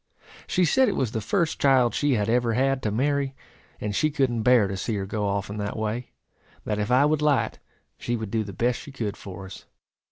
She said it was the first child she had ever had to marry; and she couldn't bear to see her go off in that way; that if I would light, she would do the best she could for us.